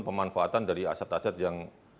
pemanfaatan dari aset aset yang